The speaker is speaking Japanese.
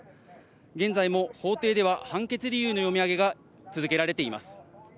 現在も法廷では判決理由の読み上げが続けられています。